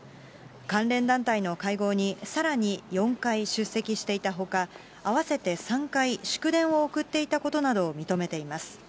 関連団体の会合に、さらに４回出席していたほか、合わせて３回、祝電を送っていたことなどを認めています。